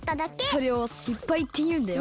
それをしっぱいっていうんだよ。